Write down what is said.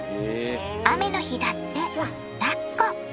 雨の日だってだっこ。